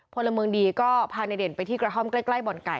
พลเมืองดีก็พาในเด่นไปที่กระท่อมใกล้บ่อนไก่